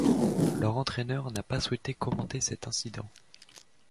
Leur entraîneur n'a pas souhaité commenter cet incident.